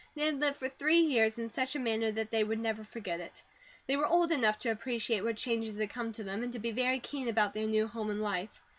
They had lived for three years in such a manner that they would never forget it. They were old enough to appreciate what changes had come to them, and to be very keen about their new home and life.